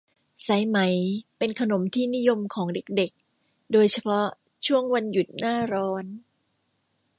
สายไหมเป็นขนมที่นิยมของเด็ก ๆ โดยเฉพาะช่วงวันหยุดหน้าร้อน